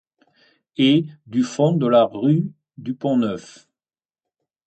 Et, du fond de la rue du Pont-Neuf